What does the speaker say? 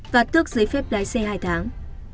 và tước giấy phép lái xe hai tháng